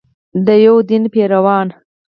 د یو دین پیروان.